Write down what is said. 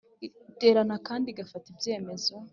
Iterana kandi igafata ibyemezo